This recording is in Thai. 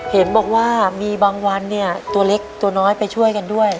เห็นบอกว่ามีบางวันเนี่ยตัวเล็กตัวน้อยไปช่วยกันด้วย